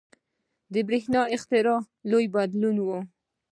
• د برېښنا اختراع لوی بدلون و.